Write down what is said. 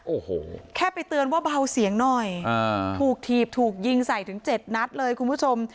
โอ้โหแค่ไปเตือนว่าเบาเสียงหน่อยอ่าถูกถีบถูกยิงใส่ถึงเจ็ดนัดเลยคุณผู้ชม